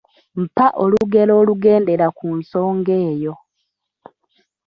Mpa olugero olugendera ku nsonga eyo.